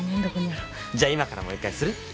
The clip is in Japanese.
じゃあ今からもう１回する？